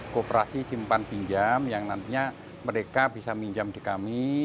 kooperasi simpan pinjam yang nantinya mereka bisa minjam di kami